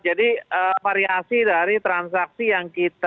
jadi variasi dari transaksi yang kita